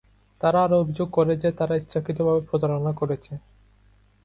তারা আরও অভিযোগ করে যে, তারা ইচ্ছাকৃতভাবে প্রতারণা করেছে।